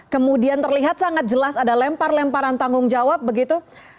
kemudian terlihat sangat jelas ada lempar lemparan tanggung jawab begitu